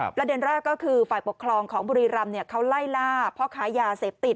ประเด็นแรกก็คือฝ่ายปกครองของบุรีรำเขาไล่ล่าพ่อค้ายาเสพติด